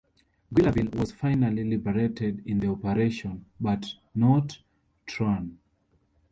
Guillerville was finally liberated in the operation but not Troarn.